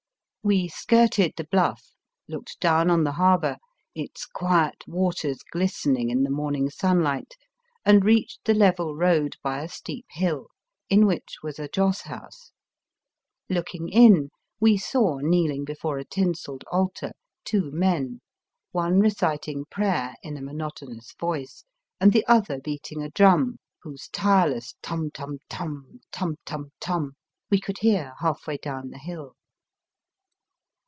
We skirted the Bluff, looked down on the harbour, its quiet waters ghstening in the morning sunlight, and reached the level road by a steep hill, in which was a joss house. Looking in, we saw kneeling before a tinselled altar two men, one reciting prayer in a mono tonous voice, and the other beating a drum, whose tu eless tum tum tum, tum tum tum, we could hear half way down the hill.